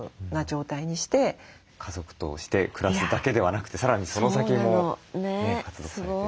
家族として暮らすだけではなくてさらにその先も活動されてる。